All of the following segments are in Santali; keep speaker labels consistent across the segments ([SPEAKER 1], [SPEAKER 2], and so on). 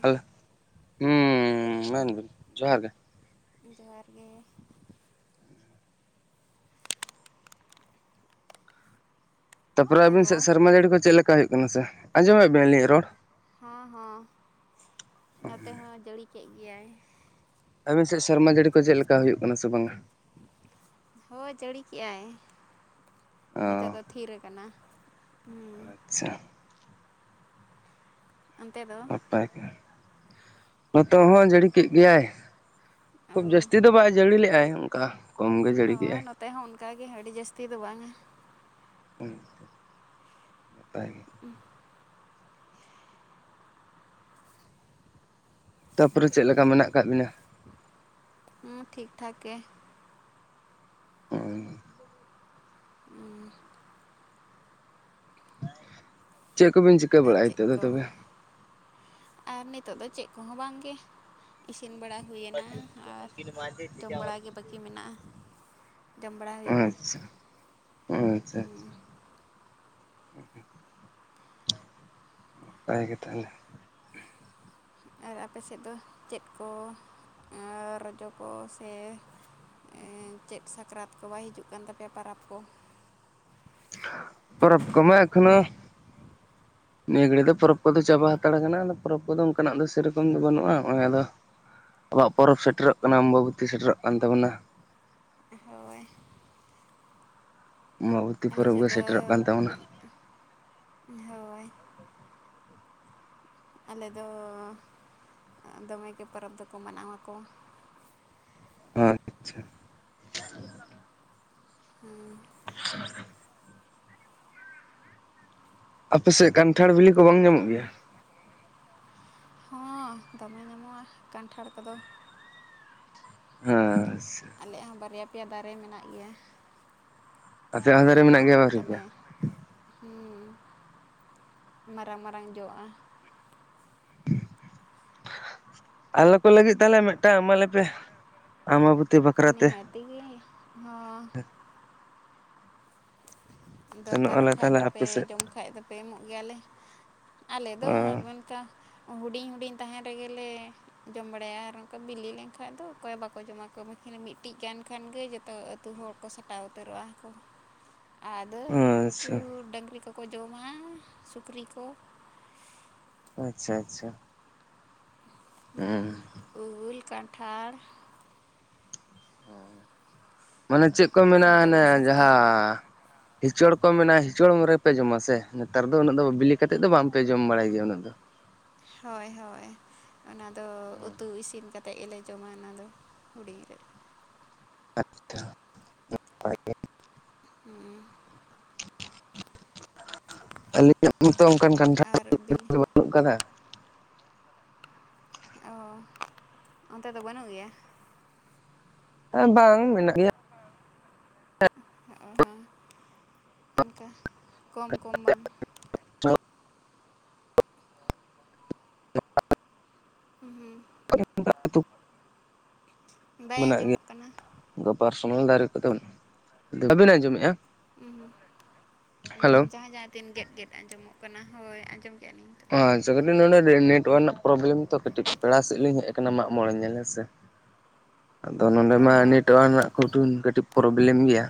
[SPEAKER 1] ᱦᱮᱞᱳ ᱦᱩᱸ ᱢᱮᱱᱵᱤᱱ ᱡᱚᱦᱟᱨ ᱜᱮ
[SPEAKER 2] ᱡᱚᱦᱟᱨ ᱜᱮ
[SPEAKER 1] ᱛᱟᱯᱚᱨᱮ ᱟᱵᱤᱱ ᱥᱮᱫ
[SPEAKER 2] ᱦᱮᱞᱳ
[SPEAKER 1] ᱥᱮᱨᱢᱟ ᱡᱟᱹᱲᱤ ᱠᱚ ᱪᱮᱫ ᱞᱮᱠᱟ ᱦᱩᱭᱩᱜ ᱠᱟᱱᱟ ᱥᱮ ᱟᱸᱡᱚᱢᱮᱫ ᱟᱵᱮᱱ ᱟᱹᱞᱤᱧᱟᱜ ᱨᱚᱲ
[SPEAKER 2] ᱦᱚᱸ ᱦᱚᱸ ᱱᱚᱛᱮ ᱦᱚᱸ ᱡᱟᱹᱲᱤ ᱠᱮᱜ ᱜᱮᱭᱟᱭ
[SPEAKER 1] ᱟᱹᱵᱤᱱ ᱥᱮᱫ ᱥᱮᱨᱢᱟ ᱡᱟᱹᱲᱤ ᱠᱚ ᱪᱮᱫ ᱞᱮᱠᱟ ᱦᱩᱭᱩᱜ ᱠᱟᱱᱟ ᱥᱮ ᱵᱟᱝᱟ?
[SPEAKER 2] ᱦᱳᱭ ᱡᱟᱹᱲᱤ ᱠᱮᱜᱟᱭ
[SPEAKER 1] ᱚ
[SPEAKER 2] ᱱᱤᱛᱚᱜ ᱫᱚ ᱛᱷᱤᱨ ᱠᱟᱱᱟ᱾
[SPEAKER 1] ᱟᱪᱪᱷᱟ
[SPEAKER 2] ᱚᱱᱛᱮ ᱫᱚ
[SPEAKER 1] ᱱᱟᱯᱟᱭ ᱜᱮ ᱱᱚᱛᱮ ᱦᱚᱸ ᱡᱟᱹᱲᱤ ᱠᱮᱫ ᱜᱮᱭᱟᱭ
[SPEAKER 2] ᱚ
[SPEAKER 1] ᱠᱷᱩᱵ ᱡᱟᱹᱥᱛᱤ ᱫᱚ ᱵᱟᱭ ᱡᱟᱹᱲᱤ ᱞᱮᱫᱼᱟᱭ ᱚᱱᱠᱟ ᱠᱚᱢ ᱜᱮ ᱡᱟᱹᱲᱤ
[SPEAKER 2] ᱦᱳᱭ
[SPEAKER 1] ᱠᱮᱜᱟᱭ
[SPEAKER 2] ᱱᱚᱛᱮ ᱦᱚᱸ ᱚᱱᱠᱟᱜᱮ ᱟᱹᱰᱤ ᱡᱟᱹᱥᱛᱤ ᱫᱚ ᱵᱟᱝᱟ᱾
[SPEAKER 1] [unintelligible] ᱱᱟᱯᱟᱭ ᱜᱮ
[SPEAKER 2] [inaudible]
[SPEAKER 1] ᱛᱟᱨᱯᱚᱨᱮ ᱪᱮᱫ ᱞᱮᱠᱟ ᱢᱮᱱᱟᱜ ᱠᱟᱜ ᱵᱤᱱᱟ?
[SPEAKER 2] ᱦᱩᱸ ᱴᱷᱤᱠ ᱴᱷᱟᱠ ᱜᱮ
[SPEAKER 1] ᱚ ᱪᱮᱫ ᱠᱚᱵᱤᱱ ᱪᱤᱠᱟᱹ
[SPEAKER 2] ᱟᱨ
[SPEAKER 1] ᱵᱟᱲᱟᱭᱮᱜ
[SPEAKER 2] ᱪᱮᱫ
[SPEAKER 1] ᱛᱮᱫᱚ
[SPEAKER 2] ᱠᱚ
[SPEAKER 1] ᱛᱚᱵᱮ
[SPEAKER 2] ᱟᱨ ᱱᱤᱛᱚᱜ ᱫᱚ ᱪᱮᱫ ᱠᱚᱦᱚᱸ ᱵᱟᱝᱜᱮ ᱤᱥᱤᱱ ᱵᱟᱲᱟ ᱦᱩᱭᱮᱱᱟ ᱟᱨ ᱡᱚᱢ ᱵᱟᱲᱟᱜᱮ ᱵᱟᱹᱠᱤ ᱢᱮᱱᱟᱜᱼᱟ᱾ ᱡᱚᱢ ᱵᱟᱲᱟ ᱦᱩᱭᱩᱜᱼᱟ
[SPEAKER 1] ᱟᱪᱪᱷᱟ ᱟᱪᱪᱷᱟ ᱟᱪᱪᱷᱟ ᱱᱟᱯᱟᱭ ᱜᱮ ᱛᱟᱦᱞᱮ
[SPEAKER 2] ᱟᱨ ᱟᱯᱮ ᱥᱮᱫ ᱫᱚ ᱪᱮᱫ ᱠᱚ ᱨᱚᱡᱚ ᱠᱚ ᱥᱮ ᱪᱮᱫ ᱥᱟᱠᱨᱟᱛ ᱠᱚ ᱵᱟᱭ ᱦᱤᱡᱩᱜ ᱠᱟᱱ ᱛᱟᱯᱮᱭᱟ ᱯᱚᱨᱚᱵᱽ ᱠᱚ
[SPEAKER 1] ᱯᱚᱨᱚᱵᱽ ᱠᱚᱢᱟ ᱮᱠᱷᱚᱱᱳ
[SPEAKER 2] [inaudible]
[SPEAKER 1] ᱱᱤᱭᱟᱹ ᱜᱷᱟᱹᱲᱤᱡ ᱫᱚ ᱯᱚᱨᱚᱵᱽ ᱠᱚᱫᱚ ᱪᱟᱵᱟ ᱦᱟᱛᱟᱲ ᱠᱟᱱᱟ ᱯᱚᱨᱚᱵᱽ ᱠᱚᱫᱚ ᱚᱱᱠᱟᱱᱟᱜ ᱫᱚ ᱥᱮᱨᱚᱠᱚᱢ ᱫᱚ ᱵᱟᱹᱱᱩᱜᱼᱟ ᱱᱚᱜᱚᱭ ᱟᱫᱚ᱾ ᱟᱵᱚᱣᱟᱜ ᱯᱚᱨᱚᱵᱽ ᱥᱮᱴᱮᱨᱚᱜ ᱠᱟᱱᱟ ᱚᱢᱵᱟᱵᱚᱛᱤ ᱥᱮᱴᱮᱨᱚᱜ ᱠᱟᱱ ᱛᱟᱵᱳᱱᱟ
[SPEAKER 2] ᱦᱳᱭ
[SPEAKER 1] ᱟᱢᱵᱟᱵᱚᱛᱤ
[SPEAKER 2] ᱟᱞᱮ
[SPEAKER 1] ᱯᱚᱨᱚᱵᱽ
[SPEAKER 2] ᱥᱮᱫ
[SPEAKER 1] ᱜᱮ
[SPEAKER 2] ᱫᱚ
[SPEAKER 1] ᱥᱮᱴᱮᱨᱚᱜ ᱠᱟᱱ ᱛᱟᱵᱚᱱᱟ
[SPEAKER 2] [inaudible] ᱦᱳᱭ ᱟᱞᱮ ᱫᱚ ᱫᱚᱢᱮ ᱜᱮ ᱯᱚᱨᱚᱵᱽ ᱫᱚᱠᱚ ᱢᱟᱱᱟᱣᱟᱠᱚ᱾
[SPEAKER 1] ᱟᱪᱪᱷᱟ
[SPEAKER 2] ᱦᱩᱸ
[SPEAKER 1] ᱟᱯᱮᱥᱮᱫ ᱠᱟᱱᱴᱷᱟᱲ ᱵᱤᱞᱤ ᱠᱚ ᱵᱟᱝ ᱧᱟᱢᱚᱜ ᱜᱮᱭᱟ?
[SPEAKER 2] ᱫᱟᱢᱮ ᱧᱟᱢᱚᱜᱼᱟ ᱠᱟᱱᱴᱷᱟᱲ ᱠᱚᱫᱚ᱾
[SPEAKER 1] ᱦᱮᱸ
[SPEAKER 2] ᱟᱞᱮᱭᱟᱜ ᱦᱚᱸ ᱵᱟᱨᱭᱟ ᱯᱮᱭᱟ ᱫᱟᱨᱮ ᱢᱮᱱᱟᱜ ᱜᱮᱭᱟ᱾
[SPEAKER 1] [unintelligible] ᱵᱟᱝ ᱯᱮᱭᱟ
[SPEAKER 2] ᱫᱚᱢᱮ ᱦᱩᱸ ᱢᱟᱨᱟᱝ ᱢᱟᱨᱟᱝ ᱡᱚᱜᱼᱟ᱾
[SPEAKER 1] ᱟᱞᱮ ᱠᱚ ᱞᱟᱹᱜᱤᱫ ᱛᱟᱦᱚᱞᱮ ᱢᱤᱫᱴᱟᱝ ᱮᱢᱟᱞᱮ ᱯᱮ ᱟᱢᱵ
[SPEAKER 2] ᱱᱤᱦᱟᱹᱛ ᱜᱮ ᱦᱚᱸ
[SPEAKER 1] ᱥᱮᱱᱚᱜ
[SPEAKER 2] ᱫᱚᱨᱠᱟᱨᱚᱜ
[SPEAKER 1] ᱟᱞᱮ
[SPEAKER 2] ᱠᱷᱟᱡ
[SPEAKER 1] ᱛᱟᱦᱚᱞᱮ
[SPEAKER 2] ᱫᱚᱯᱮ
[SPEAKER 1] ᱟᱯᱮ ᱥᱮᱫ
[SPEAKER 2] ᱡᱚᱢ ᱠᱷᱟᱡ ᱫᱚᱯᱮ ᱮᱢᱚᱜ ᱜᱮᱭᱟᱞᱮ᱾ ᱟᱞᱮ ᱫᱚ
[SPEAKER 1] ᱚ
[SPEAKER 2] ᱚᱱᱠᱟ ᱦᱩᱰᱤᱧ ᱦᱩᱰᱤᱧ ᱛᱟᱦᱮᱱ ᱨᱮᱜᱮᱞᱮ ᱡᱚᱢ ᱵᱟᱲᱟᱭᱟ ᱟᱨ ᱚᱱᱠᱟ ᱵᱤᱞᱤ ᱞᱮᱱᱠᱷᱟᱱᱡ ᱫᱚ ᱚᱠᱚᱭ ᱵᱟᱠᱚ ᱡᱚᱢᱟ ᱠᱟᱹᱢᱤ᱾ ᱢᱤᱫᱴᱤᱡ ᱜᱟᱱ ᱠᱷᱟᱱ ᱜᱮ ᱡᱚᱛᱚ ᱟᱹᱛᱩ ᱦᱚᱲ ᱠᱚ ᱥᱟᱴᱟᱣ ᱩᱛᱟᱹᱨᱚᱜᱼᱟ ᱠᱚ᱾ ᱟᱫᱚ ᱩᱱᱠᱩ
[SPEAKER 1] ᱟᱪᱪᱷᱟ
[SPEAKER 2] ᱰᱟᱹᱝᱨᱤ ᱠᱚᱠᱚ ᱡᱚᱢᱟ ᱥᱩᱠᱨᱤ ᱠᱚ
[SPEAKER 1] ᱟᱪᱪᱷᱟ ᱟᱪᱪᱷᱟ ᱦᱩᱸ
[SPEAKER 2] ᱩᱞ ᱠᱟᱱᱴᱷᱟᱲ
[SPEAKER 1] ᱢᱟᱱᱮ ᱪᱮᱫ ᱠᱚ ᱢᱮᱱᱟᱜᱼᱟ ᱟᱱᱮ
[SPEAKER 2] ᱫᱚᱢᱮ ᱥᱟᱥᱛᱟ
[SPEAKER 1] ᱡᱟᱦᱟᱸ ᱦᱤᱪᱚᱲ ᱠᱚ ᱢᱮᱱᱟ ᱦᱤᱪᱚᱲ ᱨᱮᱯᱮ ᱡᱚᱢᱟ ᱥᱮ ᱱᱮᱛᱟᱨ ᱫᱚ ᱩᱱᱟᱹᱜ ᱫᱚ ᱵᱤᱞᱤ ᱠᱟᱛᱮᱜ ᱫᱚ ᱵᱟᱝᱯᱮ ᱡᱚᱢ ᱵᱟᱲᱟᱭ ᱜᱮᱭᱟ ᱩᱱᱟᱹᱜ ᱫᱚ᱾
[SPEAKER 2] ᱦᱳᱭ ᱦᱳᱭ ᱚᱱᱟ ᱫᱚ ᱩᱛᱩ ᱤᱥᱤᱱ ᱠᱟᱛᱮᱫ ᱜᱮ ᱞᱮ ᱡᱚᱢᱟ ᱚᱱᱟ ᱫᱚ ᱦᱩᱰᱤᱧ ᱨᱮ᱾
[SPEAKER 1] ᱟᱪᱪᱷᱟ [unintelligible]
[SPEAKER 2] ᱦᱮᱸ
[SPEAKER 1] ᱟᱹᱞᱤᱧᱟᱜᱛᱚ ᱚᱱᱠᱟᱱ ᱠᱟᱱᱴᱷᱟᱲ
[SPEAKER 2] ᱟᱨ ᱵᱤᱞᱤ
[SPEAKER 1] ᱵᱟᱹᱱᱩᱜ ᱟᱠᱟᱫᱟ
[SPEAKER 2] ᱚ ᱚᱱᱛᱮ ᱫᱚ ᱵᱟᱹᱱᱩᱜ ᱜᱮᱭᱟ᱾
[SPEAKER 1] ᱦᱮᱸ ᱵᱟᱝ ᱢᱮᱱᱟᱜ ᱜᱮᱭᱟ᱾
[SPEAKER 2] ᱚ ᱦᱚᱸ ᱚᱱᱠᱟ ᱠᱚᱢ ᱠᱚᱢ ᱵᱟᱝ ᱦᱩᱸ ᱦᱩᱸ
[SPEAKER 1] [inaudible]
[SPEAKER 2] ᱵᱟᱭ
[SPEAKER 1] ᱢᱮᱱᱟᱜ ᱜᱮᱭᱟ
[SPEAKER 2] ᱟᱸᱡᱚᱢᱚᱜ ᱠᱟᱱᱟ
[SPEAKER 1] [unintelligible] ᱫᱟᱨᱮ ᱠᱚᱫᱚ [unintelligible] ᱵᱤᱱ ᱟᱸᱡᱚᱢᱮᱫ-ᱟ
[SPEAKER 2] ᱦᱩ ᱡᱟᱦᱟᱸᱡ ᱛᱤᱱ ᱜᱮᱫ ᱜᱮᱫ ᱟᱸᱡᱚᱢᱚᱜ ᱠᱟᱱᱟ ᱦᱳᱭ ᱟᱸᱡᱚᱢ ᱠᱮᱫᱟᱞᱤᱧ
[SPEAKER 1] ᱟᱪᱪᱷᱟ ᱠᱟᱹᱴᱤᱡ ᱱᱚᱰᱮ ᱱᱮᱴᱳᱣᱟᱨᱠ ᱨᱮᱱᱟᱜ ᱯᱨᱚᱵᱞᱮᱢ ᱛᱚ ᱠᱟᱹᱴᱤᱡ ᱯᱮᱲᱟ ᱥᱮᱫ ᱞᱤᱧ ᱦᱮᱡ ᱟᱠᱟᱱᱟ ᱢᱟᱜ ᱢᱚᱬᱮ ᱧᱮᱞ ᱦᱮᱸᱥᱮ᱾
[SPEAKER 2] [inaudible]
[SPEAKER 1] ᱟᱫᱚ ᱱᱚᱰᱮ
[SPEAKER 2] ᱚ
[SPEAKER 1] ᱢᱟ
[SPEAKER 2] ᱦᱚᱸ
[SPEAKER 1] ᱱᱮᱴᱳᱣᱟᱨᱠ ᱨᱮᱱᱟᱜᱴ ᱠᱟᱹᱴᱤᱡ ᱯᱨᱚᱵᱞᱮᱢ ᱜᱮᱭᱟ᱾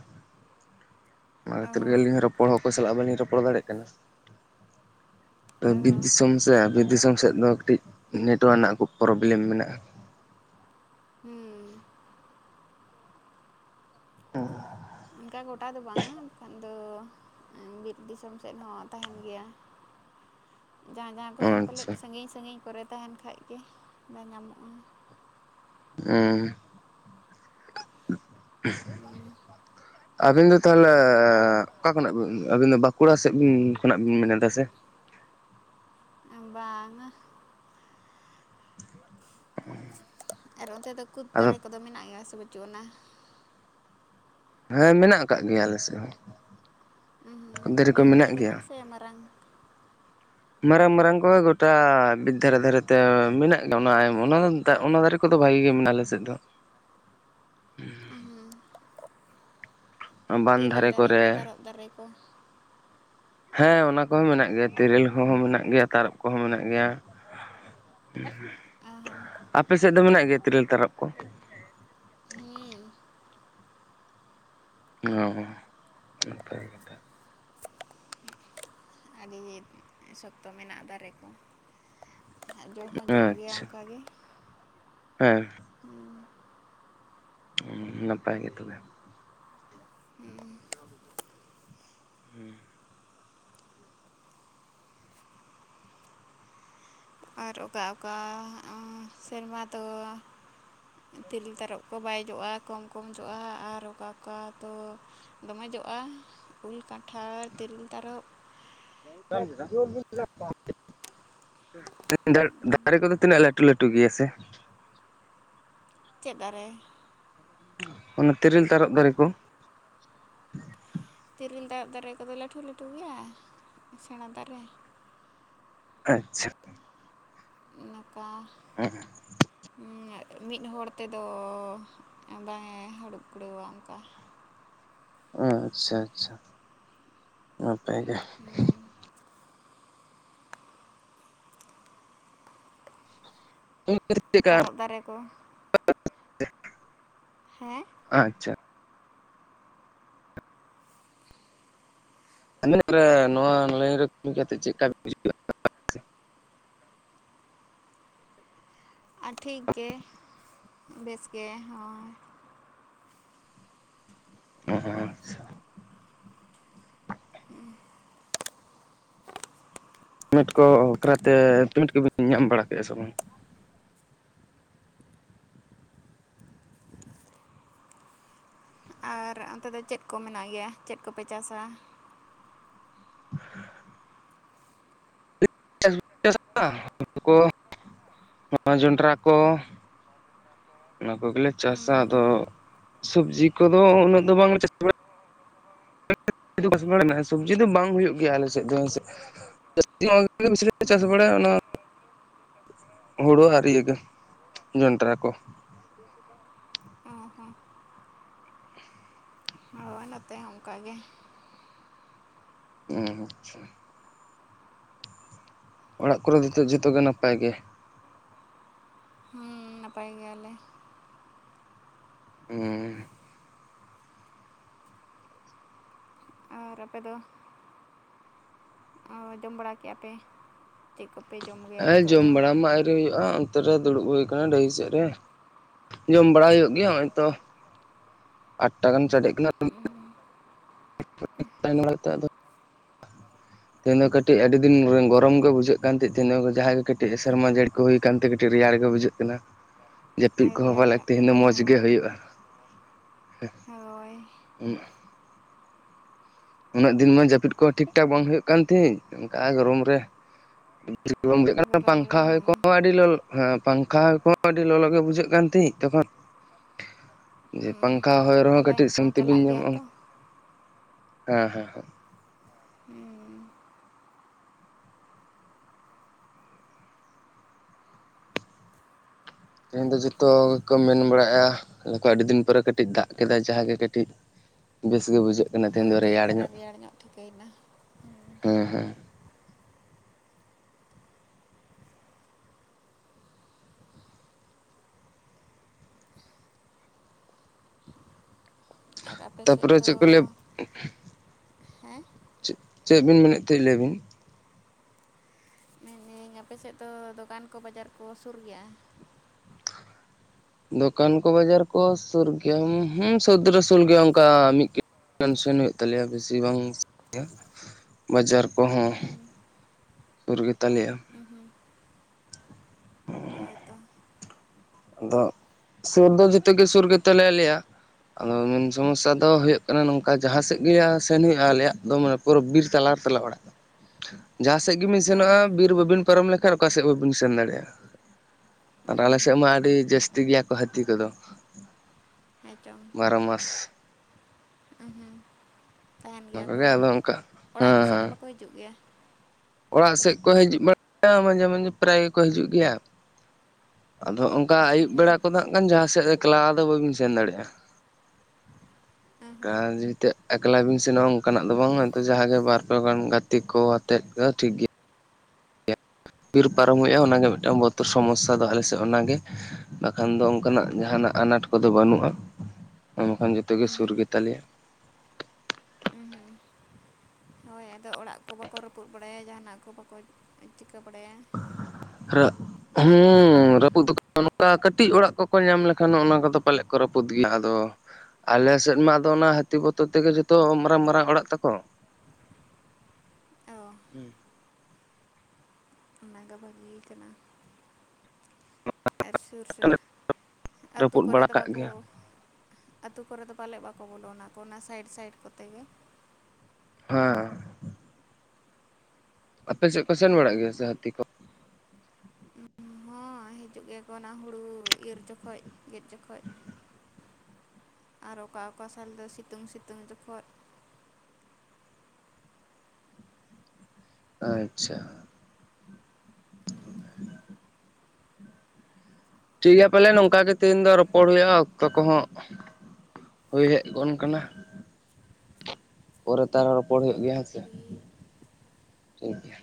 [SPEAKER 1] ᱚᱱᱟ ᱠᱷᱟᱹᱛᱤᱨ ᱜᱮ ᱟᱹᱞᱤᱧ ᱦᱚᱸ ᱨᱚᱯᱚᱲ ᱦᱚᱸᱠᱚ ᱥᱟᱞᱟᱜ ᱵᱟᱹᱞᱤᱧ ᱨᱚᱯᱚᱲ ᱫᱟᱲᱮᱭᱟᱜ ᱠᱟᱱᱟ᱾
[SPEAKER 2] ᱚ
[SPEAKER 1] ᱵᱤᱨ
[SPEAKER 2] ᱦᱚᱸ
[SPEAKER 1] ᱫᱤᱥᱚᱢ ᱥᱮ ᱵᱤᱨ ᱫᱤᱥᱚᱢ ᱥᱮᱫ ᱫᱚ ᱠᱟᱹᱴᱤᱡ ᱱᱮᱴᱚᱣᱟᱨᱠ ᱨᱮᱱᱟᱜ ᱠᱚ ᱯᱨᱚᱵᱞᱮᱢ ᱢᱮᱱᱟᱜᱼᱟ᱾
[SPEAKER 2] ᱦᱮᱸ
[SPEAKER 1] ᱦᱮᱸ
[SPEAKER 2] ᱚᱱᱠᱟ ᱜᱚᱴᱟ ᱫᱚ ᱵᱟᱝᱜᱟ ᱫᱚ ᱵᱤᱨ ᱫᱤᱥᱚᱢ ᱥᱮᱫ ᱦᱚᱸ ᱛᱟᱦᱮᱱ ᱜᱮᱭᱟ᱾ ᱡᱟᱦᱟᱸ ᱡᱟᱦᱟᱸ ᱠᱚ ᱥᱮᱱ ᱯᱟᱞᱮᱫ
[SPEAKER 1] ᱟᱪᱪᱷᱟ
[SPEAKER 2] ᱥᱟᱺᱜᱤᱧ ᱥᱟᱺᱜᱤᱧ ᱠᱚᱨᱮ᱾ ᱛᱟᱦᱮᱱ ᱠᱷᱟ ᱜᱮ ᱵᱟ ᱧᱟᱢᱚᱜᱼᱟ
[SPEAKER 1] ᱦᱩᱸ ᱟᱹᱵᱤᱱ ᱫᱚ ᱛᱟᱦᱚᱞᱮ
[SPEAKER 2] ᱟᱨ
[SPEAKER 1] ᱚᱠᱟ ᱠᱷᱚᱱᱟᱜ ᱵᱤᱱ ᱟᱹᱵᱤᱱ ᱫᱚ ᱵᱟᱸᱠᱩᱲᱟ ᱥᱮᱫ ᱠᱷᱚᱱᱟᱜ ᱵᱤᱱ ᱢᱮᱱᱫᱟ ᱥᱮ
[SPEAKER 2] ᱵᱟᱝ ᱟ ᱟᱨ ᱚᱱᱛᱮ ᱫᱚ ᱠᱩᱫ
[SPEAKER 1] ᱟᱫᱚ
[SPEAKER 2] ᱫᱟᱨᱮ ᱠᱚᱫᱚ ᱢᱮᱱᱟᱜ ᱜᱮᱭᱟ ᱥᱮ ᱵᱟᱹᱪᱩᱜ ᱟᱱᱟ
[SPEAKER 1] ᱦᱮᱸ ᱢᱮᱱᱟᱜ ᱟᱠᱟᱜ ᱜᱮᱭᱟ ᱟᱞᱮ ᱥᱮᱫ ᱦᱚᱸ
[SPEAKER 2] ᱦᱩᱸ
[SPEAKER 1] ᱫᱟᱨᱮ ᱠᱚ
[SPEAKER 2] ᱦᱩᱰᱤᱧ ᱦᱩᱰᱤᱧ
[SPEAKER 1] ᱢᱮᱱᱟᱜ
[SPEAKER 2] ᱞᱮᱠᱟᱱ
[SPEAKER 1] ᱜᱮᱭᱟ
[SPEAKER 2] ᱥᱮ ᱢᱟᱨᱟᱝ
[SPEAKER 1] ᱢᱟᱨᱟᱝ ᱢᱟᱨᱟᱝ ᱠᱚᱜ ᱜᱚᱴᱟ ᱵᱤᱫᱽᱫᱷᱟᱨᱮ ᱫᱷᱟᱨᱮᱛᱮ ᱢᱮᱱᱟᱜ ᱜᱮᱭᱟ ᱚᱱᱟᱢᱟ ᱚᱱᱟ ᱚᱱᱟ ᱫᱟᱨᱮ ᱠᱚᱫᱚ ᱵᱷᱟᱜᱮ ᱜᱮ ᱢᱮᱱᱟᱜ-ᱟ ᱟᱞᱮ ᱥᱮᱫ ᱫᱚ
[SPEAKER 2] ᱦᱚᱸ
[SPEAKER 1] ᱵᱟᱸᱫ
[SPEAKER 2] ᱛᱮᱨᱮᱞ
[SPEAKER 1] ᱫᱷᱟᱨᱮ
[SPEAKER 2] ᱫᱟᱨᱮ ᱠᱚ
[SPEAKER 1] ᱠᱚᱨᱮ
[SPEAKER 2] ᱛᱟᱨᱚᱵ ᱫᱟᱨᱮ ᱠᱚ
[SPEAKER 1] ᱦᱮᱸ ᱚᱱᱟ ᱠᱚᱦᱚᱸ ᱢᱮᱱᱟᱜ ᱜᱮᱭᱟ ᱛᱮᱨᱮᱞ ᱠᱚᱦᱚᱸ ᱢᱮᱱᱟᱜ ᱜᱮᱭᱟ ᱛᱟᱨᱚᱯ ᱠᱚᱦᱚᱸ ᱢᱮᱱᱟᱜ ᱜᱮᱭᱟ
[SPEAKER 2] ᱚ ᱦᱚᱸ
[SPEAKER 1] ᱟᱯᱮ ᱥᱮᱫ ᱫᱚ ᱢᱮᱱᱟᱜ ᱜᱮᱭᱟ ᱛᱮᱨᱮᱞ ᱛᱟᱨᱟᱯ ᱠᱚ
[SPEAKER 2] ᱦᱮᱸ
[SPEAKER 1] ᱚ ᱱᱟᱯᱟᱭ ᱜᱮᱛᱚ
[SPEAKER 2] ᱟᱹᱰᱤ ᱥᱚᱠᱛᱚ ᱢᱮᱱᱟᱜᱼᱟ ᱫᱟᱨᱮ ᱠᱚ ᱡᱚ ᱦᱚᱸ ᱡᱚᱜ ᱜᱮᱭᱟ
[SPEAKER 1] ᱟᱪᱪᱷᱟ
[SPEAKER 2] ᱚᱱᱠᱟᱜᱮ ᱦᱮᱸ
[SPEAKER 1] ᱦᱚᱸ ᱱᱟᱯᱟᱭ ᱜᱮ ᱛᱚᱵᱮ ᱦᱮᱸ
[SPEAKER 2] ᱟᱨ ᱚᱠᱟ ᱚᱠᱟ ᱥᱮᱨᱢᱟ ᱫᱚ ᱛᱤᱨᱤᱞ ᱛᱟᱨᱚᱯ ᱠᱚ ᱵᱟᱭ ᱡᱚᱜᱼᱟ ᱠᱚᱢ ᱠᱚᱢ ᱡᱚᱜᱼᱟ ᱟᱨ ᱚᱠᱟ ᱚᱠᱟ ᱛᱚ ᱫᱚᱢᱮ ᱡᱚᱜᱼᱟ ᱩᱞ ᱠᱷᱟᱲ ᱛᱮᱨᱮᱞ ᱛᱟᱨᱚᱯ
[SPEAKER 1] ᱡᱳ ᱵᱤᱞᱤ ᱫᱟᱨᱮ ᱠᱚᱫᱚ ᱛᱤᱱᱟᱹᱜ ᱞᱟᱹᱴᱩ ᱞᱟᱹᱴᱩ ᱜᱮᱭᱟ ᱥᱮ
[SPEAKER 2] ᱪᱮᱫ ᱫᱟᱨᱮ
[SPEAKER 1] ᱚᱱᱟ ᱛᱤᱨᱤᱞ ᱛᱟᱨᱚᱵᱽ ᱫᱟᱨᱮ ᱠᱚ
[SPEAKER 2] ᱛᱤᱨᱤᱞ ᱫᱟᱨᱮ ᱫᱟᱨᱮ ᱠᱚᱫᱚ ᱞᱟᱹᱴᱷᱩ ᱞᱟᱹᱴᱷᱩ ᱜᱮᱭᱟ ᱥᱮᱬᱟ ᱫᱟᱨᱮ
[SPEAKER 1] ᱟᱪᱪᱷᱟ
[SPEAKER 2] ᱱᱚᱝᱠᱟ ᱢᱤᱫ ᱦᱚᱲ ᱛᱮᱫᱚ ᱵᱟᱝᱮ ᱦᱟᱲᱩᱵᱽ ᱠᱩᱲᱟᱹᱣᱟ ᱚᱱᱠᱟ
[SPEAKER 1] ᱟᱪᱪᱷᱟ ᱟᱪᱪᱷᱟ ᱱᱟᱯᱟᱭ ᱜᱮ
[SPEAKER 2] ᱟᱨ
[SPEAKER 1] ᱪᱮᱫᱠᱟ
[SPEAKER 2] ᱛᱟᱨᱚᱵᱽ ᱫᱟᱨᱮ ᱠᱚ ᱦᱮᱸ
[SPEAKER 1] ᱟᱪᱪᱷᱟ ᱱᱚᱣᱟ ᱚᱱᱞᱟᱭᱤᱱ ᱨᱮ ᱠᱟᱹᱢᱤ ᱠᱟᱛᱮᱫ ᱪᱮᱫ ᱞᱮᱠᱟ ᱵᱤᱱ ᱵᱩᱡᱷᱟᱹᱣ ᱮᱫᱟ
[SPEAKER 2] [unintelligible] ᱟᱨ ᱴᱷᱤᱠ ᱜᱮ ᱵᱮᱥ ᱜᱮ ᱦᱳᱭ
[SPEAKER 1] ᱟᱪᱪᱷᱟ
[SPEAKER 2] ᱦᱮᱸ
[SPEAKER 1] ᱯᱮᱢᱮᱱᱴ ᱠᱚ ᱵᱟᱠᱷᱨᱟᱛᱮ ᱯᱮᱢᱮᱱᱴ ᱠᱚᱵᱤᱱ ᱧᱟᱢ ᱵᱟᱲᱟ ᱠᱮᱫᱼᱟ ᱥᱮ ᱵᱟᱝ
[SPEAKER 2] ᱟᱨ ᱚᱱᱛᱮ ᱫᱚ ᱪᱮᱫ ᱠᱚ ᱢᱮᱱᱟᱜ ᱜᱮᱭᱟ ᱪᱮᱫ ᱠᱚᱯᱮ ᱪᱟᱥᱼᱟ
[SPEAKER 1] [unintelligible] ᱪᱟᱥᱼᱟ ᱦᱩᱲᱩ ᱠᱚ ᱱᱚᱣᱟ ᱡᱚᱱᱰᱨᱟ ᱠᱚ ᱚᱱᱟ ᱠᱚᱜᱮᱞᱮ ᱪᱟᱥ-ᱟ ᱟᱫᱚ
[SPEAKER 2] ᱦᱩᱸ
[SPEAKER 1] ᱥᱚᱵᱽᱡᱤ ᱠᱚᱫᱚ ᱩᱱᱟᱹᱜ ᱫᱚ ᱵᱟᱝᱞᱮ ᱪᱟᱥ ᱵᱟᱲᱟᱭᱟ
[SPEAKER 2] [inaudible]
[SPEAKER 1] ᱪᱟᱭ ᱥᱚᱵᱽᱡᱤ ᱫᱚ ᱵᱟᱝ ᱦᱩᱭᱩᱜ ᱜᱮᱭᱟ ᱟᱞᱮ ᱥᱮᱫ ᱫᱚ ᱦᱮᱥᱮ ᱡᱟᱹᱥᱛᱤ ᱚᱱᱟ ᱠᱚᱜᱮ ᱵᱤᱥᱤ ᱞᱮ ᱪᱟᱥ ᱵᱟᱲᱟᱭᱟ
[SPEAKER 2] ᱦᱩᱸ
[SPEAKER 1] ᱚᱱᱟ
[SPEAKER 2] [inaudible]
[SPEAKER 1] ᱦᱳᱲᱳ ᱟᱨ ᱤᱭᱟᱹ ᱜᱮ ᱡᱚᱱᱰᱨᱟ ᱠᱚ
[SPEAKER 2] ᱦᱩᱸ ᱚ ᱦᱚᱸ ᱦᱳ ᱱᱚᱛᱮ ᱦᱚᱸ ᱚᱱᱠᱟ ᱜᱮ
[SPEAKER 1] ᱚ ᱟᱪᱪᱷᱟ ᱚᱲᱟᱜ ᱠᱚᱨᱮ ᱫᱚ ᱱᱤᱛᱳᱜ ᱡᱚᱛᱚᱜᱮ ᱱᱟᱯᱟᱭ ᱜᱮ
[SPEAKER 2] ᱦᱮᱸ ᱱᱟᱯᱟᱭ ᱜᱮᱭᱟᱞᱮ᱾
[SPEAKER 1] ᱦᱩᱸ
[SPEAKER 2] ᱟᱨ ᱟᱯᱮ ᱫᱚ? ᱚ ᱡᱚᱢ ᱵᱟᱲᱟ ᱠᱮ ᱯᱮ ᱪᱮᱫ ᱠᱚ
[SPEAKER 1] ᱦᱮᱸ ᱡᱚᱢ ᱵᱟᱲᱟ ᱢᱟ ᱟᱹᱣᱨᱤ ᱦᱩᱭᱩᱜᱼᱟ ᱚᱱᱛᱮ ᱨᱮ ᱫᱩᱲᱩᱵ ᱦᱩᱭ ᱟᱠᱟᱱᱟ ᱰᱟᱹᱦᱤ ᱥᱮᱫ ᱨᱮ ᱡᱚᱢ ᱵᱟᱲᱟᱟᱭ ᱦᱩᱭᱩᱜ ᱜᱮᱭᱟ ᱦᱚᱜᱼᱚᱭ ᱛᱚ ᱟᱴ ᱴᱟ ᱜᱟᱱ ᱥᱟᱰᱮ
[SPEAKER 2] ᱦᱮᱸ
[SPEAKER 1] [unintelligible] ᱛᱮᱦᱧ ᱫᱚ ᱠᱟᱹᱴᱤᱡ ᱟᱹᱰᱤ ᱫᱤᱱ ᱜᱚᱨᱚᱢ ᱜᱮ ᱵᱩᱡᱷᱟᱹᱜ ᱠᱟᱱ ᱛᱟᱦᱮᱸᱧ ᱡᱟᱦᱟᱸᱭᱜᱮ ᱠᱟᱹᱴᱤᱡ ᱥᱮᱨᱢᱟ ᱡᱟᱹᱲᱤ ᱠᱚ ᱦᱩᱭ ᱠᱟᱱ ᱛᱮ ᱠᱟᱹᱴᱤᱡ ᱨᱮᱭᱟᱲ ᱜᱮ ᱵᱩᱡᱷᱟᱹᱜ ᱠᱟᱱᱟ᱾
[SPEAKER 2] [unintelligible]
[SPEAKER 1] ᱡᱟᱹᱯᱤᱫ ᱠᱚᱦᱚᱸ ᱯᱟᱞᱮ
[SPEAKER 2] ᱧᱚᱜ
[SPEAKER 1] ᱛᱤᱦᱤᱧ ᱫᱚ
[SPEAKER 2] ᱠᱟᱱᱟ
[SPEAKER 1] ᱢᱚᱸᱡᱽ ᱜᱮ
[SPEAKER 2] ᱦᱳᱭ
[SPEAKER 1] ᱦᱩᱭᱩᱜᱼᱟ᱾
[SPEAKER 2] ᱦᱳᱭ
[SPEAKER 1] ᱩᱱᱟᱹᱜ ᱫᱤᱱ ᱢᱟ ᱡᱟᱹᱯᱤᱫ ᱠᱚ ᱴᱷᱤᱠ ᱴᱷᱟᱠ ᱵᱟᱝ ᱦᱩᱭᱩᱜ ᱠᱟᱱ ᱛᱤᱧ ᱚᱱᱠᱟ ᱜᱚᱨᱚᱢ ᱨᱮ ᱚᱢᱟᱹᱜ ᱠᱟᱱᱟ
[SPEAKER 2] ᱜᱚᱨᱚᱢ
[SPEAKER 1] ᱯᱟᱝᱠᱷᱟ
[SPEAKER 2] ᱨᱮ ᱦᱩᱸ
[SPEAKER 1] ᱠᱚᱦᱚᱸ ᱟᱹᱰᱤ ᱞᱚᱞᱚ ᱯᱟᱝᱠᱷᱟ ᱠᱚᱦᱚᱸ ᱟᱹᱰᱤ ᱞᱚᱞᱚ ᱜᱮ ᱵᱩᱡᱷᱟᱹᱜ ᱠᱟᱱ ᱛᱟᱦᱮᱸᱫ ᱛᱚᱠᱷᱚᱱ ᱡᱮ
[SPEAKER 2] ᱦᱩᱸ
[SPEAKER 1] ᱯᱟᱝᱠᱷᱟ ᱦᱚᱭ
[SPEAKER 2] ᱟᱨ
[SPEAKER 1] ᱨᱮᱦᱚᱸ
[SPEAKER 2] ᱞᱟᱭᱤᱱ
[SPEAKER 1] ᱠᱟᱹᱴᱤᱡ
[SPEAKER 2] ᱠᱚᱦᱚᱸ
[SPEAKER 1] ᱥᱟᱹᱱᱛᱤ ᱵᱤᱱ
[SPEAKER 2] ᱪᱟᱞᱟᱜ ᱜᱮᱭᱟ
[SPEAKER 1] ᱧᱟᱢᱚᱜᱼᱟ
[SPEAKER 2] ᱛᱚ
[SPEAKER 1] ᱦᱮᱸ ᱦᱮᱸ ᱦᱮᱸ
[SPEAKER 2] ᱦᱩᱸ
[SPEAKER 1] ᱛᱮᱦᱮᱧ ᱫᱚ ᱡᱚᱛᱚ ᱜᱮᱠᱚ ᱢᱮᱱ ᱵᱟᱲᱟᱭᱼᱟ ᱟᱹᱰᱤ ᱫᱤᱱ ᱯᱚᱨᱮ ᱠᱟᱹᱴᱤᱡ ᱫᱟᱜ ᱠᱮᱫᱟᱭ ᱡᱟᱦᱟᱸᱜᱮ ᱠᱟᱹᱴᱤᱡ ᱵᱮᱥ ᱜᱮ ᱵᱩᱡᱷᱟᱹᱜ ᱠᱟᱱᱟ ᱛᱮᱦᱮᱧ
[SPEAKER 2] ᱦᱳᱭ
[SPEAKER 1] ᱫᱚ
[SPEAKER 2] ᱠᱟᱹᱡ ᱫᱷᱟᱨᱟ ᱨᱮᱭᱟᱲ ᱧᱚᱜ ᱴᱷᱤᱠᱟᱹᱭᱱᱟ ᱦᱮ
[SPEAKER 1] ᱦᱮᱸ ᱦᱮᱸ
[SPEAKER 2] ᱟᱨ ᱟᱯᱮ ᱥᱮᱫ
[SPEAKER 1] ᱛᱟᱯᱚᱨᱮ
[SPEAKER 2] ᱫᱚ
[SPEAKER 1] ᱪᱮᱫ ᱠᱚ ᱞᱟᱹᱭᱟ
[SPEAKER 2] ᱦᱮᱸ
[SPEAKER 1] ᱪᱮᱫ ᱵᱤᱱ ᱢᱮᱱᱮᱫ ᱛᱟᱦᱮᱸ ᱞᱟᱹᱭᱵᱤᱱ?
[SPEAKER 2] ᱤᱧ ᱟᱯᱮ ᱥᱮᱫ ᱫᱚ ᱫᱚᱠᱟᱱ ᱠᱚ ᱵᱟᱡᱟᱨ ᱠᱚ ᱥᱩᱨ ᱜᱮᱭᱟ?
[SPEAKER 1] ᱫᱚᱠᱟᱱ ᱠᱚ ᱵᱟᱡᱟᱨ ᱠᱚ ᱥᱩᱨ ᱜᱮᱭᱟᱢ ᱦᱩᱸ ᱥᱩᱨ ᱫᱚᱨᱮ ᱥᱩᱨ ᱜᱮᱭᱟ ᱚᱱᱠᱟ ᱢᱤᱫ ᱠᱤᱼᱼ ᱥᱮᱱ ᱦᱩᱭᱩᱜ ᱛᱟᱞᱮᱭᱟ ᱵᱮᱥᱤ ᱵᱟᱝ ᱵᱟᱡᱟᱨ ᱠᱚᱦᱚᱸ ᱥᱩᱨ ᱜᱮ ᱛᱟᱞᱮᱭᱟ᱾
[SPEAKER 2] ᱦᱳᱭᱛᱚ
[SPEAKER 1] ᱟᱫᱚ ᱥᱩᱨ ᱫᱚ ᱡᱚᱛᱚ ᱜᱮ ᱥᱩᱨ ᱜᱮ ᱛᱟᱞᱮᱭᱟ ᱟᱞᱮᱭᱟ ᱟᱫᱚ ᱢᱮᱱ ᱥᱚᱢᱚᱥᱥᱟ ᱫᱚ ᱦᱩᱭᱩᱜ ᱠᱟᱱᱟ ᱟᱫᱚ ᱢᱮᱱ ᱥᱚᱢᱚᱥᱟ ᱦᱩᱭᱩᱜ ᱠᱟᱱᱟ ᱱᱚᱝᱠᱟ ᱡᱟᱦᱟᱸ ᱥᱮᱫ ᱜᱮ ᱥᱮᱱ ᱦᱩᱭᱩᱜᱼᱟ ᱟᱞᱮᱭᱟᱜ ᱫᱚ ᱢᱟᱱᱮ ᱯᱚᱨᱟ ᱵᱤᱨ ᱛᱟᱞᱟ ᱛᱟᱞᱟ ᱛᱟᱞᱟ ᱚᱲᱟᱜ ᱫᱚ ᱡᱟᱦᱟᱸ ᱥᱮᱫ ᱜᱮ ᱜᱮᱵᱤᱱ
[SPEAKER 2] ᱚ
[SPEAKER 1] ᱥᱮᱱᱚᱜᱼᱟ
[SPEAKER 2] ᱦᱚᱸ
[SPEAKER 1] ᱵᱤᱨ ᱵᱟᱵᱤᱱ ᱯᱟᱨᱚᱢ ᱞᱮᱠᱷᱟᱱ ᱚᱠᱟ ᱥᱮᱫ ᱵᱟᱹᱵᱤᱱ ᱥᱮᱱ ᱫᱟᱲᱮᱭᱟᱜᱼᱟ ᱟᱨ ᱟᱞᱮ
[SPEAKER 2] ᱩᱸᱦᱩᱸ
[SPEAKER 1] ᱥᱮᱫ ᱢᱟ ᱟᱹᱰᱤ ᱟᱹᱰᱤ ᱡᱟᱹᱥᱛᱤ ᱜᱮᱭᱟ ᱠᱚ ᱦᱟᱹᱛᱤ ᱠᱚᱫᱚ
[SPEAKER 2] ᱦᱮᱸ
[SPEAKER 1] ᱵᱟᱨᱚ ᱢᱟᱥ᱾
[SPEAKER 2] ᱚ ᱦᱩᱸ ᱛᱟᱦᱮᱱ
[SPEAKER 1] ᱚᱱᱟ
[SPEAKER 2] ᱜᱮᱭᱟ ᱠᱚ
[SPEAKER 1] ᱠᱚᱜᱮ ᱟᱫᱚ ᱚᱱᱠᱟ
[SPEAKER 2] ᱾ ᱚᱲᱟᱜ
[SPEAKER 1] ᱦᱮᱸ
[SPEAKER 2] ᱠᱚᱥᱮᱫ ᱫᱚ
[SPEAKER 1] ᱦᱮᱸ
[SPEAKER 2] ᱵᱟᱠᱚ ᱦᱤᱡᱩᱜ ᱜᱮᱭᱟ?
[SPEAKER 1] ᱚᱲᱟᱜ ᱥᱮᱫ ᱠᱚ ᱦᱤᱡᱩᱜ ᱵᱟᱲᱟᱭᱟ ᱢᱟᱡᱷᱮ ᱢᱟᱡᱷᱮ ᱯᱨᱟᱭ ᱜᱮᱠᱚ ᱦᱤᱡᱩᱜ ᱜᱮᱭᱟ ᱾ ᱟᱫᱚ ᱚᱱᱠᱟ ᱟᱹᱭᱩᱵ
[SPEAKER 2] ᱩᱸᱦᱩᱸ
[SPEAKER 1] ᱵᱮᱲᱟ ᱠᱚᱫᱚ ᱦᱟᱸᱜ ᱠᱷᱟᱱ ᱡᱟᱦᱟᱸ ᱥᱮᱫ ᱮᱠᱞᱟ ᱫᱚ ᱵᱟᱹᱵᱤᱱ ᱥᱮᱱ ᱫᱟᱲᱮᱭᱟᱜᱼᱟ᱾
[SPEAKER 2] ᱻ [inaudible]
[SPEAKER 1] [unintelligible] ᱮᱠᱞᱟ ᱵᱤᱱ ᱥᱮᱱᱚᱜᱼᱟ ᱚᱱᱠᱟᱱᱟᱜ ᱫᱚ ᱵᱟᱝᱛᱚ ᱡᱟᱦᱟᱸᱜᱮ ᱵᱟᱨ ᱯᱮ ᱜᱟᱱ ᱜᱟᱛᱮ ᱠᱚ ᱟᱛᱮᱜᱮ ᱫᱚ ᱴᱷᱤᱠ ᱜᱮᱭᱟ
[SPEAKER 2] ᱻ [inaudible]
[SPEAKER 1] ᱵᱤᱨ ᱯᱟᱨᱚᱢ ᱦᱩᱭᱩᱜᱼᱟ ᱚᱱᱟᱜᱮ ᱵᱤᱨ ᱵᱤᱨ ᱯᱟᱨᱚᱢ ᱦᱩᱭᱩᱜ ᱟ ᱢᱤᱫᱴᱟᱝ ᱵᱚᱛᱚᱨ ᱥᱚᱢᱚᱥᱥᱟ ᱫᱚ ᱟᱞᱮᱥᱮᱫ ᱚᱱᱟᱜᱮ ᱵᱟᱠᱷᱟᱱ ᱫᱚ ᱚᱱᱠᱟᱱᱟᱜ ᱡᱟᱦᱱᱟᱜ ᱟ ᱟᱱᱟᱴ ᱠᱚᱫᱚ ᱵᱟᱹᱱᱩᱜᱼᱟ᱾
[SPEAKER 2] ᱻ [inaudible]
[SPEAKER 1] ᱵᱟᱠᱷᱟᱱ ᱡᱚᱛᱚᱜᱮ ᱥᱩᱨ ᱜᱮᱛᱟᱞᱮᱭᱟ
[SPEAKER 2] ᱦᱸ ᱦᱩᱸ ᱦᱳᱭ ᱟᱫᱚ ᱚᱲᱟᱜ ᱠᱚ ᱵᱟᱠᱚ ᱨᱟᱹᱯᱩᱫ ᱵᱟᱲᱟᱭᱟ ᱡᱟᱦᱟᱱᱟᱜ ᱠᱚ ᱵᱟᱠᱚ ᱪᱤᱠᱟᱹ ᱵᱟᱲᱟᱭᱟ
[SPEAKER 1] ᱚ ᱦᱟᱜ ᱦᱩᱸᱻᱢ ᱨᱟᱹᱯᱩᱫ ᱫᱚ ᱱᱚᱝᱠᱟ ᱠᱟᱹᱴᱤᱡ ᱚᱲᱟᱜ ᱠᱚᱠᱚ ᱧᱟᱢ ᱞᱮᱠᱷᱟᱱ ᱚᱱᱟ ᱠᱚᱫᱚ ᱯᱟᱞᱮᱫ ᱠᱚ [unintelligible] ᱨᱟᱹᱯᱩᱫ ᱜᱮᱭᱟ ᱟᱫᱚ ᱟᱞᱮ ᱥᱮᱫ ᱢᱟ ᱟᱫᱚ ᱚᱱᱟ ᱦᱟᱹᱛᱤ ᱵᱚᱛᱚᱨ ᱛᱮᱜᱮ ᱡᱚᱛᱚ ᱢᱟᱨᱟᱝ-ᱢᱟᱨᱟᱝ ᱚᱲᱟᱜ ᱛᱟᱠᱚ᱾
[SPEAKER 2] [inaudible] ᱚ
[SPEAKER 1] [inaudible]
[SPEAKER 2] [unintelligible] [unintelligible] ᱥᱩᱨ ᱥᱩᱨ ᱟᱹᱛᱩ
[SPEAKER 1] ᱨᱟᱹᱯᱩᱫ
[SPEAKER 2] ᱠᱚᱨᱮ
[SPEAKER 1] ᱵᱟᱲᱟ
[SPEAKER 2] ᱫᱚ
[SPEAKER 1] ᱠᱟᱜ
[SPEAKER 2] ᱵᱟᱠᱚ
[SPEAKER 1] ᱜᱮᱭᱟ
[SPEAKER 2] ᱟᱹᱛᱩ ᱠᱚᱨᱮ ᱫᱚ ᱯᱟᱞᱮᱫ ᱵᱟᱠᱚ ᱵᱚᱞᱚᱱᱟ ᱠᱚ ᱚᱱᱟ ᱥᱟᱭᱤᱰ-ᱥᱟᱭᱤᱰ ᱠᱚᱛᱮ ᱜᱮ᱾
[SPEAKER 1] [unintelligible] ᱟᱯᱮ ᱥᱮᱫ ᱠᱚ ᱥᱮᱱ ᱵᱟᱲᱟᱜ ᱜᱮᱭᱟ ᱥᱮ ᱦᱟᱹᱛᱤ ᱠᱚ?
[SPEAKER 2] ᱦᱚᱸ ᱦᱤᱡᱩᱜ ᱜᱮᱠᱚ ᱚᱱᱟ ᱦᱩᱲᱩ ᱤᱨ ᱡᱚᱠᱷᱚᱡ ᱜᱮᱫ ᱡᱚᱠᱷᱚᱡ᱾ ᱟᱨ ᱚᱠᱟ-ᱚᱠᱟ ᱥᱟᱞ ᱫᱚ ᱥᱤᱛᱩᱝ-ᱥᱤᱛᱩᱝ ᱡᱚᱠᱷᱚᱡ᱾
[SPEAKER 1] ᱟᱪᱪᱷᱟ᱾
[SPEAKER 2] [inaudible]
[SPEAKER 1] ᱴᱷᱤᱠ ᱜᱮᱭᱟ ᱯᱟᱞᱮ ᱱᱚᱝᱠᱟ ᱜᱮ ᱛᱮᱦᱤᱧ ᱫᱚ ᱨᱚᱯᱚᱲ ᱦᱩᱭᱩᱜᱼᱟ ᱚᱠᱛᱚ ᱠᱚᱦᱚᱸ᱾ ᱦᱩᱭ ᱦᱮᱡ ᱜᱚᱱ ᱠᱟᱱᱟ᱾ ᱯᱚᱨᱮᱛᱮ ᱟᱨᱦᱚᱸ ᱨᱚᱯᱚᱲ ᱦᱩᱭᱩᱜ ᱜᱮᱭᱟ᱾ ᱦᱮᱸᱥᱮ᱾
[SPEAKER 2] ᱴᱷᱤᱠ
[SPEAKER 1] ᱴᱷᱤᱠ ᱜᱮᱭᱟ᱾